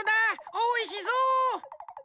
おいしそう。